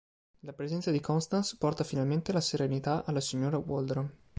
La presenza di Constance porta finalmente la serenità alla signora Waldron.